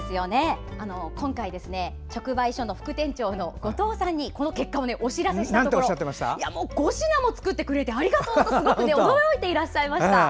今回、直売所の副店長の後藤さんにこの結果をお知らせしたところ５品も作ってくれてありがとう！とすごく驚いていらっしゃいました。